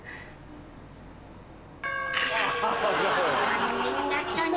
残念だったね。